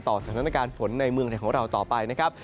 สถานการณ์ฝนในเมืองไทยของเราต่อไปนะครับ